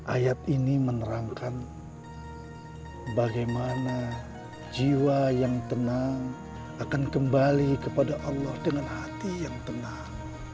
ayat ini menerangkan bagaimana jiwa yang tenang akan kembali kepada allah dengan hati yang tenang